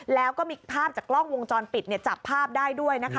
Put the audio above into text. แล้วก็มีภาพจากกล้องวงจรปิดจับภาพได้ด้วยนะคะ